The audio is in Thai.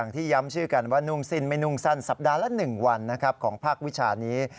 ที่ย้ำชื่อกันว่านุ่งสิ้นไม่นุ่งสั้นสัปดาห์ละ๑วันของภาควิชานี้